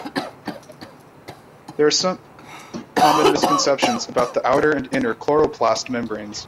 There are some common misconceptions about the outer and inner chloroplast membranes.